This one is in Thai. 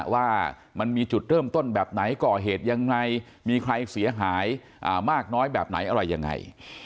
ว่ามันมีจุดเริ่มต้นแบบไหนก่อเหตุยังไงมีใครเสียหายมากน้อยแบบไหนอะไรยังไง